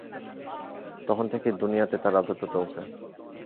তখন থেকেই দুনিয়াতে তার রাজত্ব চলছে।